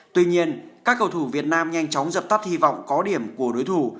tuy nhiên các cầu thủ việt nam nhanh chóng dập tắt hy vọng có điểm của đối thủ